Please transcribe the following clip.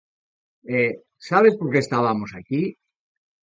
E, sabes por que estabamos aquí?